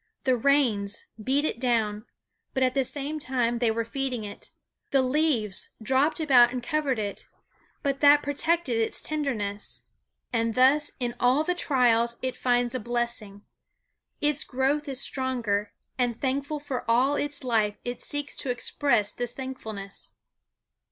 The rains beat it down, but at the same time they were feeding it; the leaves dropped about and covered it, but that protected its tenderness: and thus in all the trials it finds a blessing. Its growth is stronger, and thankful for all its life it seeks to express this thankfulness.